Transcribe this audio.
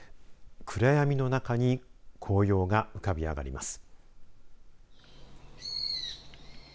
暗闇の中に紅葉が浮かび上がります。